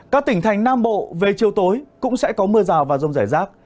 các tỉnh thành nam bộ về chiều tối cũng sẽ có mưa rào và rông rải rác